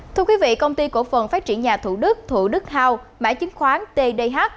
thưa quý vị công ty cổ phần phát triển nhà thủ đức thủ đức house mãi chính khoán tdh